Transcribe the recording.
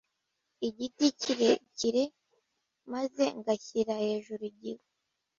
igiti kirekire n maze ngashyira hejuru ikigu